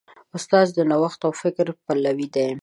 استاد د نوښت او فکر پلوی دی.